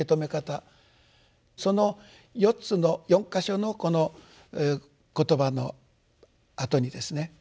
その４つの４か所のこの言葉のあとにですね